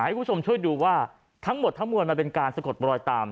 ให้คุณผู้ชมช่วยดูว่าทั้งหมดทั้งมวลมันเป็นการสะกดรอยตาม